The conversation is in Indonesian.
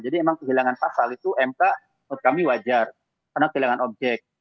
emang kehilangan pasal itu mk menurut kami wajar karena kehilangan objek